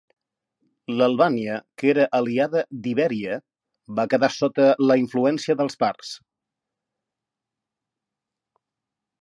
L'Albània, que era aliada d'Ibèria, va quedar sota la influència dels parts.